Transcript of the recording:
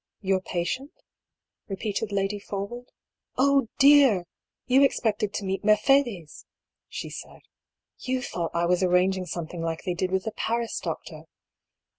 "Your patient?" repeated Lady Forwood. "Oh, dear ! You expected to meet Mercedes !" she said. " You thought I was arranging something like they did with the Paris doctor.